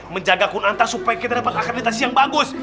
menjaga kunanta supaya kita dapat akreditasi yang bagus